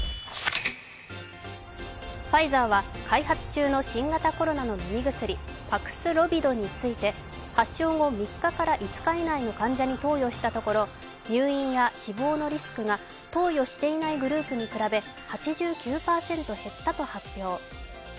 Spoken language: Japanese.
ファイザーは開発中の新型コロナの飲み薬、パクスロビドについて発症後３日から５日以内の患者に投与したところ、入院や死亡のリスクが投与していないグループに比べ８９％減ったと発表。